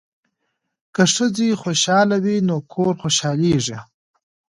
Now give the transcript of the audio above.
که ښځې خوشحاله وي نو کور خوشحالیږي.